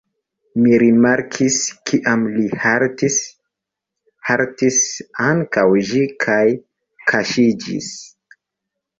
Ni rimarkis: kiam ni haltis, haltis ankaŭ ĝi kaj kaŝiĝis.